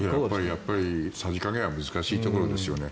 やっぱりさじ加減は難しいところですね。